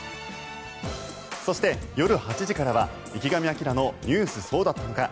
そして夜８時からは「池上彰のニュースそうだったのか！！」。